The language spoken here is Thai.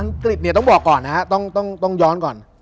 กฤษเนี่ยต้องบอกก่อนนะฮะต้องย้อนก่อน